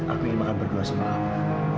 aku ingin makan berdua sama kamu